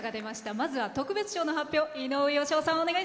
まずは特別賞の発表です。